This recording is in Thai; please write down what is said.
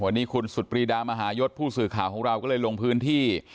วันนี้คุณสุดปรีดามหายศผู้สื่อข่าวของเราก็เลยลงพื้นที่